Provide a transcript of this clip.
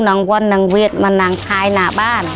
น้องวนน้องเวียดเมื่อนางคลายหน้าบ้าน